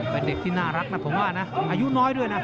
เป็นเด็กที่น่ารักนะผมว่านะอายุน้อยด้วยนะ